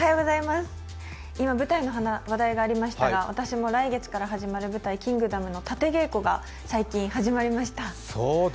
今舞台の話題がありましたが私も来月から始まる舞台「キングダム」の殺陣稽古が最近始まりました。